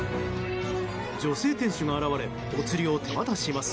女性店主が現れおつりを手渡します。